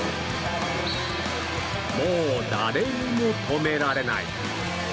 もう誰にも止められない。